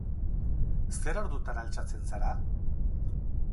Zer ordutan altxatzen zara?